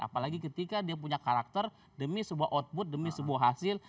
apalagi ketika dia punya karakter demi sebuah output demi sebuah hasil